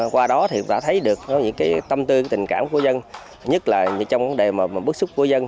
qua đó thì đã thấy được những tâm tư tình cảm của dân nhất là trong vấn đề bước xúc của dân